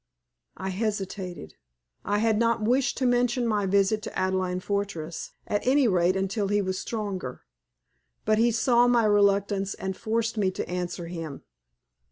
I hesitated. I had not wished to mention my visit to Adelaide Fortress, at any rate until he was stronger; but he saw my reluctance and forced me to answer him.